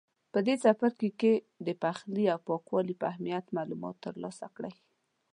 په دې څپرکي کې د پخلي او پاکوالي په اهمیت معلومات ترلاسه کړئ.